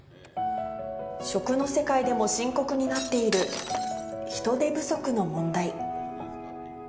食の世界でも深刻になっている人手不足の問題。